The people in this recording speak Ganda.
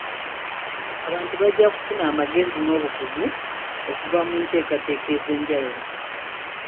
Abantu bajja kufuna amagezi n'obukugu okuva mu nteekateeka ez'enjawulo.